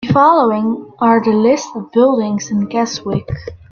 The following are the listed buildings in Keswick.